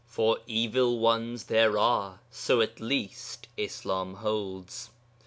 For Evil Ones there are; so at least Islam holds.